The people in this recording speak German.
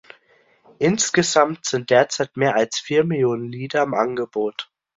Insgesamt sind derzeit mehr als vier Millionen Lieder im Angebot.